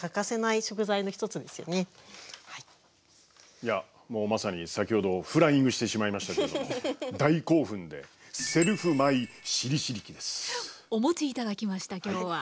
いやもうまさに先ほどフライングしてしまいましたけど大興奮でお持ち頂きました今日は。